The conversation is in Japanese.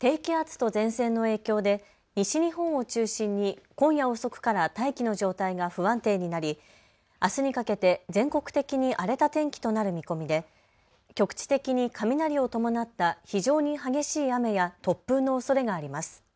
低気圧と前線の影響で西日本を中心に今夜遅くから大気の状態が不安定になり、あすにかけて全国的に荒れた天気となる見込みで局地的に雷を伴った非常に激しい雨や突風のおそれがあります。